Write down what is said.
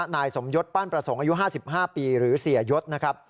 นายสมยศปั้นประสงค์อายุ๕๕ปีหรือเสียยศนะครับ